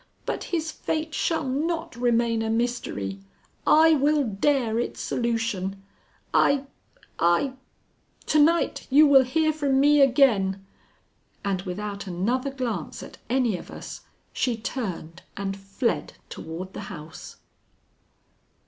But his fate shall not remain a mystery. I will dare its solution. I I To night you will hear from me again." And without another glance at any of us she turned and fled toward the house.